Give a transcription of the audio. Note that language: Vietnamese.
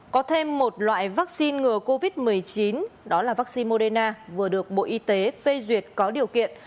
có thêm một loại vaccine ngừa covid một mươi chín đó là vaccine moderna vừa được bộ y tế phê duyệt có điều kiện